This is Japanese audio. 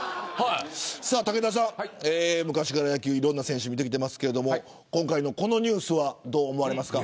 武田さん、昔から野球でいろんな選手を見てきていますが今回のニュースはどう思いますか。